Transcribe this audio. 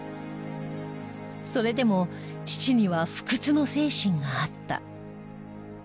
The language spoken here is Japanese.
それでも父には不屈の精神があった。